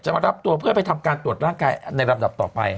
มารับตัวเพื่อไปทำการตรวจร่างกายในลำดับต่อไป